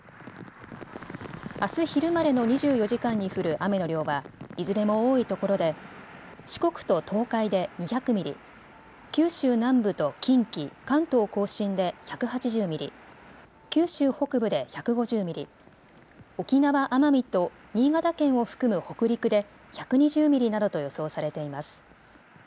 あす昼までの２４時間に降る雨の量はいずれも多いところで四国と東海で２００ミリ、九州南部と近畿、関東甲信で１８０ミリ、九州北部で１５０ミリ、沖縄・奄美と新潟県を含む北陸で１２０ミリなどと予想されています。